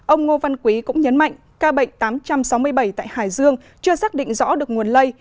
ông ngô văn quý cũng nhấn mạnh ca bệnh tám trăm sáu mươi bảy tại hải dương chưa xác định rõ được nguồn lây